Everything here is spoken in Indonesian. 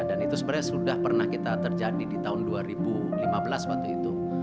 itu sebenarnya sudah pernah kita terjadi di tahun dua ribu lima belas waktu itu